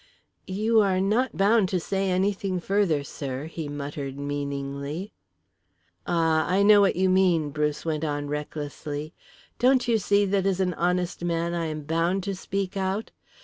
"You are not bound to say anything further, sir," he muttered meaningly. "Ah, I know what you mean," Bruce went on recklessly. "Don't you see that as an honest man I am bound to speak out?